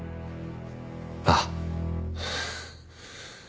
ああ。